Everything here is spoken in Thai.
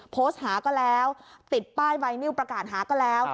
โพสต์หาก็แล้วติดป้ายใบนิ้วประกาศหาก็แล้ว